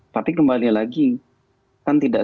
tapi kembali lagi kan tidak